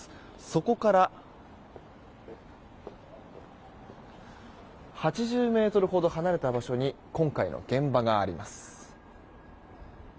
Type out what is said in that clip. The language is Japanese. そこから８０ｍほど離れた場所に今回の現場があります。